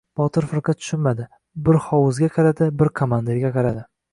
Botir firqa tushunmadi. Bir hovuzga qaradi, bir komandirga qaradi.